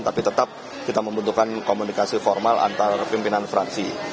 tapi tetap kita membutuhkan komunikasi formal antar pimpinan fraksi